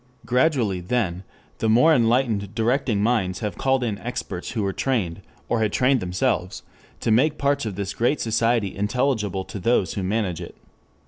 Gradually, then, the more enlightened directing minds have called in experts who were trained, or had trained themselves, to make parts of this Great Society intelligible to those who manage it.